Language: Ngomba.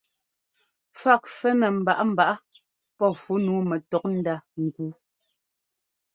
Fák fɛ́nɛ́ mbaꞌámbaꞌá pɔ́ fú nǔu nɛtɔ́kndá ŋ́kúu.